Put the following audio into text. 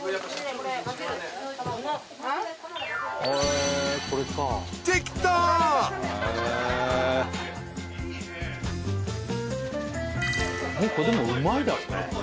もうこれでもうまいだろうね。